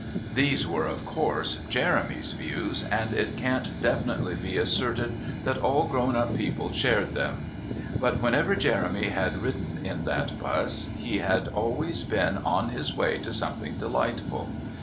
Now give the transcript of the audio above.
These were, of course, Jeremy's views, and it can't definitely be asserted that all grown up people shared them. But whenever Jeremy had ridden in that bus he had always been on his way to something delightful.